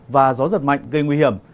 và gió giật mạnh gây nguy hiểm